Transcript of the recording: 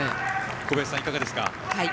小林さん、いかがですか。